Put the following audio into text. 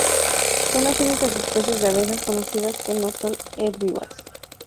Son las únicas especies de abejas conocidas que no son herbívoras.